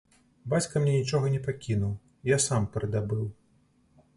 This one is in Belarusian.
Бацька мне нічога не пакінуў, я сам прыдабыў.